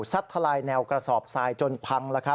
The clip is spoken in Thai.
ทลายแนวกระสอบทรายจนพัง